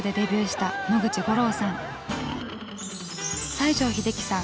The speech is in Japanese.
西城秀樹さん